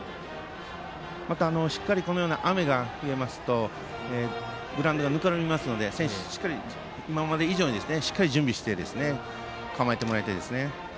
また、このような雨が降りますとグラウンドがぬかるみますので選手は今まで以上にしっかり準備をして構えてもらいたいですね。